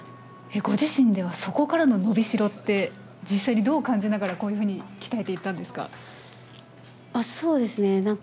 ご自身では、そこからの伸びしろって、実際にどう感じながら鍛えていったんですか？